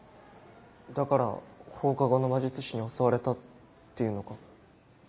だから放課後の魔術師に襲われたっていうのか？